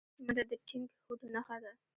منډه د ټینګ هوډ نښه ده